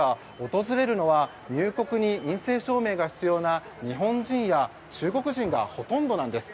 訪れるのは入国に陰性証明が必要な日本人や中国人がほとんどなんです。